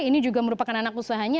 ini juga merupakan anak usahanya